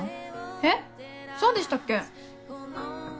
えっそうでしたっけ？